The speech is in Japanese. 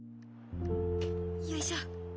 よいしょ。